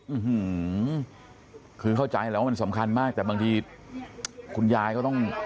อื้อหือคือเข้าใจแล้วว่ามันสำคัญมากแต่บางทีคุณยายก็ต้อง